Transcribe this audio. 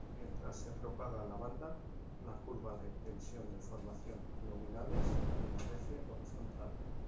Mientras se propaga la banda, la curva de tensión-deformación nominales permanece horizontal.